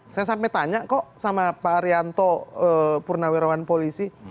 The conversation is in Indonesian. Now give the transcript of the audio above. saya sampai tanya kok sama pak arianto purnawirawan polisi